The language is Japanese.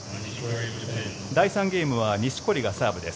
第３ゲームは錦織がサービスです。